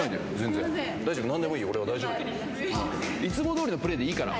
いつもどおりのプレーでいいから。